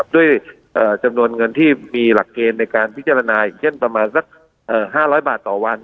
ด้วยจำนวนเงินที่มีหลักเกณฑ์ในการพิจารณาอย่างเช่นประมาณสัก๕๐๐บาทต่อวัน